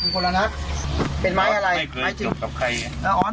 หนึ่งคนแล้วนะเป็นไม้อะไรไม้จริงไม่เคยจบกับใครอ่ะ